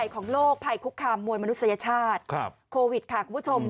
ของโลกภัยคุกคามมวยมนุษยชาติโควิดค่ะคุณผู้ชม